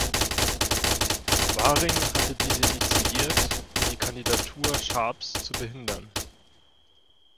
Waring hatte diese initiiert, um die Kandidatur Sharps zu behindern.